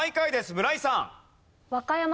村井さん。